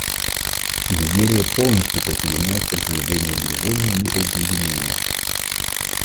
Нигерия полностью присоединяется к заявлению Движения неприсоединения.